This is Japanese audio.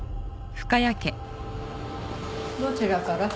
どちらから？